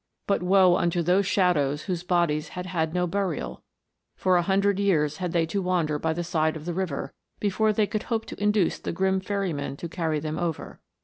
But woe unto those shadows whose bodies had had no burial : for a hundred years had they to wander by the side of the river, before they could hope to induce the grim ferryman to carry them over.